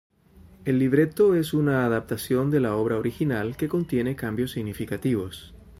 El libreto es una adaptación de la obra original que contiene cambios significativos.